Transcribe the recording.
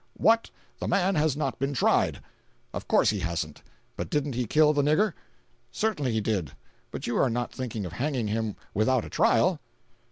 "What! The man has not been tried." "Of course he hasn't. But didn't he kill the nigger?" "Certainly he did; but you are not thinking of hanging him without a trial?"